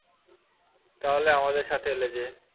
তাহলে আমাদের সাথে এলে যে?